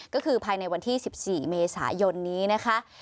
ก็คือภายในวันที่๑๔เมษายนนี้นะคะ